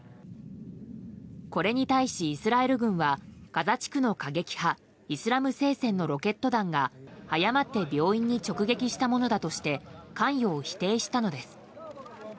これに対し、イスラエル軍はガザ地区の過激派イスラム聖戦のロケット弾が誤って病院に直撃したものだとして関与を否定したのです。